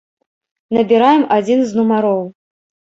Набіраем адзін з нумароў.